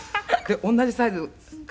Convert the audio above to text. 「“同じサイズか？”